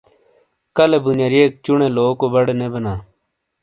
کلے بُنیاریک چُنے لوکو بڑے نے بینا۔